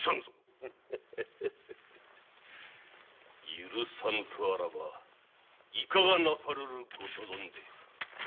許さぬとあらばいかがなさるご所存で？